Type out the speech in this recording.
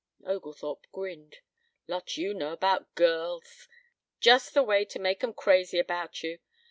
Oglethorpe grinned. "Lot you know about girls. Just the way to make 'em crazy about you.